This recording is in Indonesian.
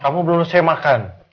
kamu belum selesai makan